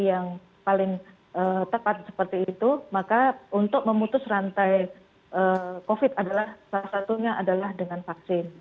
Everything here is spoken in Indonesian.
yang paling tepat seperti itu maka untuk memutus rantai covid adalah salah satunya adalah dengan vaksin